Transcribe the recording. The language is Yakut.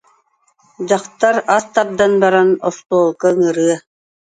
Дьахтар ас тардан баран, остуолга ыҥырыа